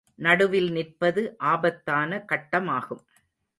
நடுவில் நிற்பது ஆபத்தான கட்டமாகும்.